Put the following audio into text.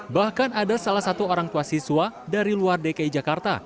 bahkan ada salah satu orang tua siswa dari luar dki jakarta